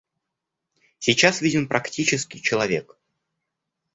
Сейчас виден практический человек.